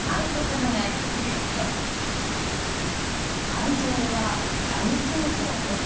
会場は大盛況です。